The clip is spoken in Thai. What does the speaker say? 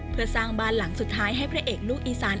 เพื่อสร้างบ้านหลังสุดท้ายให้พระเอกลูกอีสาน